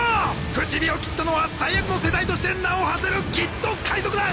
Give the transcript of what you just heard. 口火を切ったのは最悪の世代として名をはせるキッド海賊団！